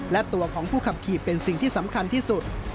และตัวของผู้ขับขี่เป็นสิ่งที่สำคัญที่สุด